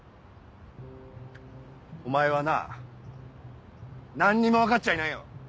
お前はな何にも分かっちゃいないよ。